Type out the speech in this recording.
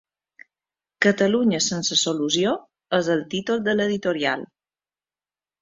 “Catalunya sense solució”, és el títol de l’editorial.